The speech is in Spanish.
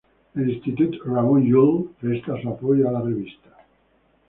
El Institut Ramon Llull presta su apoyo a la revista.